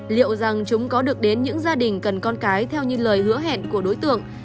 liệu rằng chúng có được đến những gia đình cần con cái theo như lời hứa hẹn của đối tượng